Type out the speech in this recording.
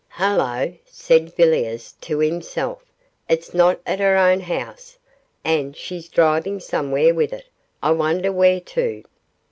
'Hullo!' said Villiers to himself, 'it's not at her own house, and she's driving somewhere with it, I wonder where to?